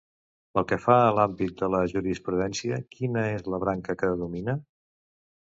Pel que fa a l'àmbit de la jurisprudència, quina és la branca que domina?